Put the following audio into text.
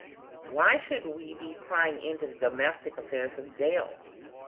"Why should we be prying into the domestic affairs of the Dales?"